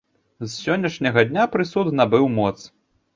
З сённяшняга дня прысуд набыў моц.